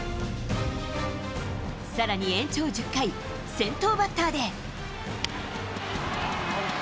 さらに延長１０回、先頭バッターで。